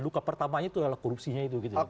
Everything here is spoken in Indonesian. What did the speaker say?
luka pertamanya itu adalah korupsinya